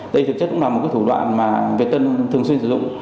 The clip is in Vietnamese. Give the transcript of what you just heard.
đây thực chất cũng là một thủ đoạn mà việt tân thường xuyên sử dụng